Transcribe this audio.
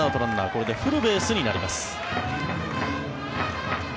これでフルベースになります。